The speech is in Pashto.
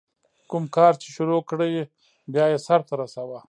کوم کار چي شروع کړې، بیا ئې سر ته رسوه.